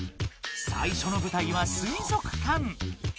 最初のぶたいは水族館。